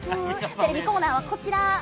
テレビコーナーはこちら。